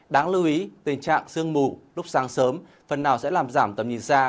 đáng lưu ý tình trạng sương mù lúc sáng sớm phần nào sẽ làm giảm tầm nhìn xa